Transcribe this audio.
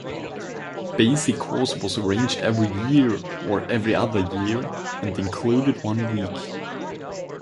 Basic course was arranged every year or every other year and included one week.